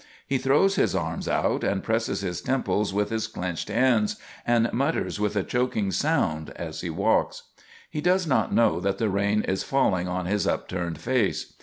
He throws his arms out and presses his temples with his clenched hands, and mutters with a choking sound, as he walks. He does not know that the rain is falling on his upturned face.